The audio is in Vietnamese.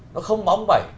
nó không bóng bẩy